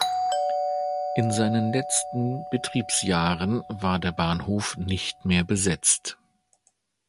In seinen letzten Betriebsjahren war der Bahnhof nicht mehr besetzt.